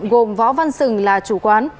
gồm võ văn sửng là chủ quán